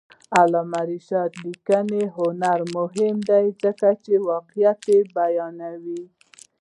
د علامه رشاد لیکنی هنر مهم دی ځکه چې واقعیت بیانوي.